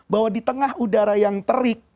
bahwa di tengah udara yang terik